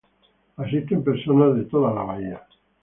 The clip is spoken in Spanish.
Asisten personas de toda la bahía.